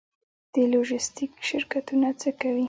د لوژستیک شرکتونه څه کوي؟